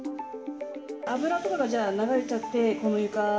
油とかが流れちゃって、この床に。